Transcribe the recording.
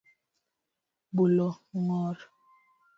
Bulo ngor